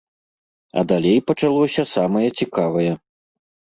А далей пачалося самае цікавае.